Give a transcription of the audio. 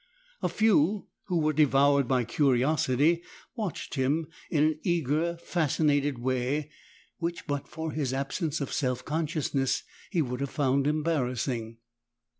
A few who were devoured by curiosity watched him in an eager, fascinated 8 way which but for his absence of self consciousness he would have found embarrassing.